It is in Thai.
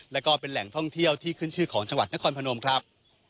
แล้วก็เป็นแหล่งท่องเที่ยวที่ขึ้นชื่อของจังหวัดนครพนมครับ